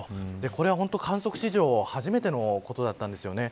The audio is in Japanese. これは本当に、観測史上初めてのことだったんです。